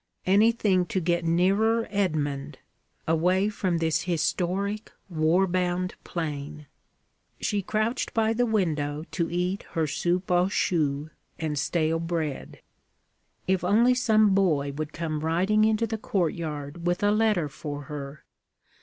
Anything to get nearer Edmund, away from this historic, war bound plain! She crouched by the window to eat her soupe aux choux and stale bread. If only some boy would come riding into the courtyard with a letter for her!